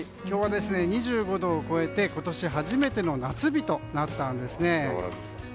今日は２５度を超えて今年初めての夏日となったんですね。